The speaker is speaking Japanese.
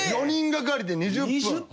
４人がかりで２０分。